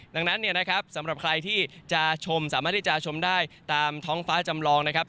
ดังนั้นเนี่ยนะครับสำหรับใครที่จะชมสามารถที่จะชมได้ตามท้องฟ้าจำลองนะครับ